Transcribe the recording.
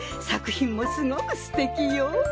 作品もすごくすてきよ。